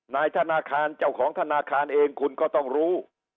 นายธนาคารเจ้าของธนาคารเองคุณก็ต้องรู้